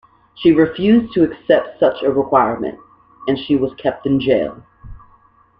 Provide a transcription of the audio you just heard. She refused to accept such a requirement, and she was kept in jail.